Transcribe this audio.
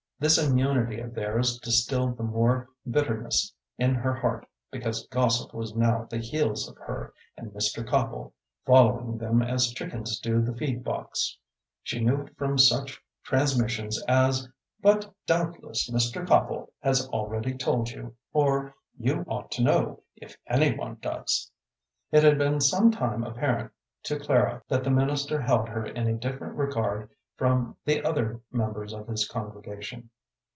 This immunity of theirs distilled the more bitterness in her heart because gossip was now at the heels of her and Mr. Copple, following them as chickens do the feed box. She knew it from such transmissions as, "But doubtless Mr. Copple has already told you," or, "You ought to know, if any one does." It had been some time apparent to Clara that the minister held her in a different regard from the other members of his congregation.